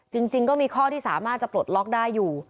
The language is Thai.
จริงก็มีข้อที่สามารถจะปลดล็อกได้อยู่